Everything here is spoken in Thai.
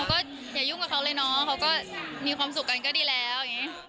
ก็อย่ายุ่งกับเขาเลยเนาะเขาก็มีความสุขกันก็ดีแล้วอย่างนี้